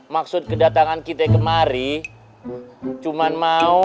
maksud kedatangan kita kemari cuma mau